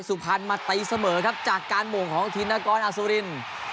สุพรรณมาตีเสมอครับจากการหม่งของธินกรอสุริน